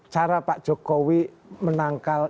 cara pak jokowi menangkal